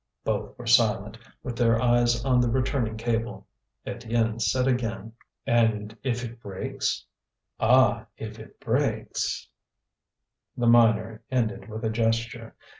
Both were silent, with their eyes on the returning cable. Étienne said again: "And if it breaks?" "Ah! if it breaks " The miner ended with a gesture.